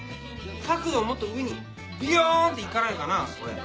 角度をもっと上にびよーんっていかないかなこれ。